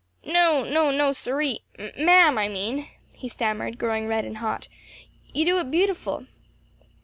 "No, no, no sirree! ma'am, I mean," he stammered growing red and hot; "you do it beautiful!"